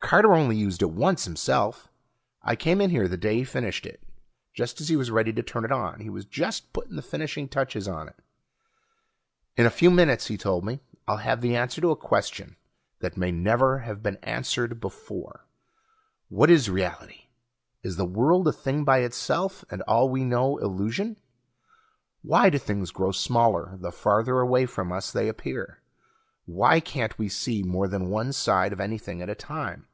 Carter only used it once himself. I came in here the day he finished it, just as he was ready to turn it on. He was just putting the finishing touches on it. "In a few minutes," he told me, "I'll have the answer to a question that may never have been answered before: what is reality? Is the world a thing by itself, and all we know illusion? Why do things grow smaller the farther away from us they appear? Why can't we see more than one side of anything at a time?